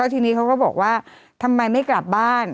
ทีนี้เขาก็บอกว่าทำไมไม่กลับบ้าน